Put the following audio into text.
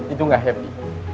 itu gak happy